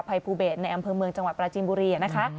ภัยภูเบศในอำเภอเมืองจังหวัดปราจีนบุรีนะคะ